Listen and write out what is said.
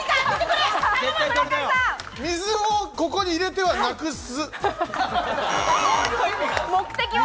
水をここに入れてはなくす。